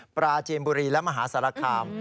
ปราจีนบุรีและมหาสารคาม